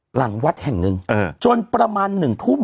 หลังวัดแห่งนึงจนประมาณหนึ่งทุ่ม